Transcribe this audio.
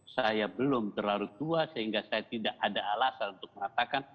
saya belum terlalu tua sehingga saya tidak ada alasan untuk mengatakan